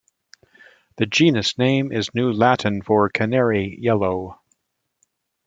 The genus name is New Latin for "canary-yellow".